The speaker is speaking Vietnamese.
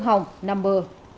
hư hỏng nằm bờ